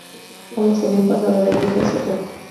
Ambos habían pasado la gripe hacía poco".